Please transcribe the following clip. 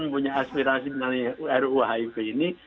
mempunyai aspirasi dengan ruu hip ini